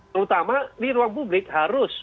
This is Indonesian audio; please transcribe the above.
terutama di ruang publik harus